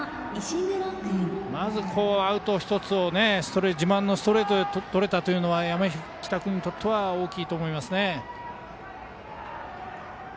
まずアウト１つ自慢のストレートでとれたのは山北君にとっては大きいと思います。